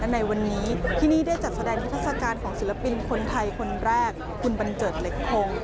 ในวันนี้ที่นี่ได้จัดแสดงนิทัศกาลของศิลปินคนไทยคนแรกคุณบันเจิดเหล็กคง